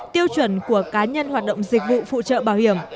tiêu chuẩn của cá nhân hoạt động dịch vụ phụ trợ bảo hiểm